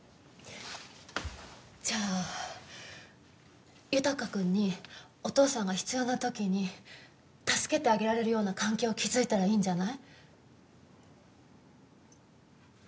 じゃあ裕くんにお父さんが必要な時に助けてあげられるような関係を築いたらいいんじゃない？